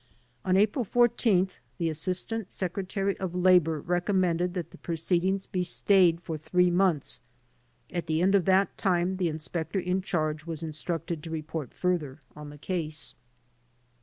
On April 14th the Assistant Secretary of Labor rec ommended that the proceedings be stayed for three months. At the end of that time the Inspector in charge was instructed to report further on the case.